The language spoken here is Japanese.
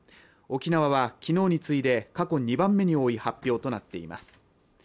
沖縄は昨日に次いで過去２番目に多い発表となっています。